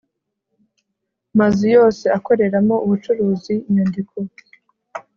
mazu yose akoreramo ubucuruzi inyandiko